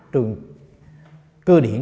trường cơ điện